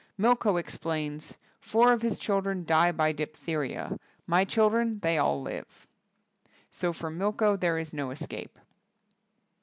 Milko explains, "Four of his children die by diph theria. My children they all live." So for Milko there is no escape.